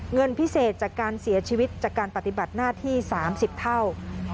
เงินพิเศษจากการเสียชีวิตจากการปฏิบัติหน้าที่๓๐เท่า